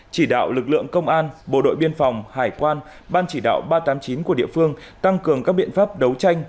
chỉ đạo lực lượng công an bộ đội biên phòng hải quan ban chỉ đạo ba trăm tám mươi chín của địa phương tăng cường các biện pháp đấu tranh